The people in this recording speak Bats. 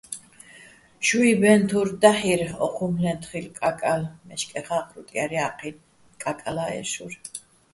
შუჲ ბე́ნ თურ დაჰ̦ირ ო́ჴუმფლეჼ თხილ, კაკალ მე́შკეხა́ ღრუტ ჲარ ჲა́ჴინო̆, კა́კალა́ ე́შურ.